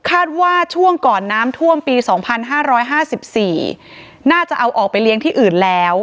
คาดว่าช่วงก่อนน้ำท่วมปีสองพันห้าร้อยห้าสิบสี่น่าจะเอาออกไปเลี้ยงที่อื่นแล้ว